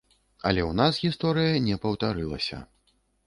Але ў нас гісторыя не паўтарылася.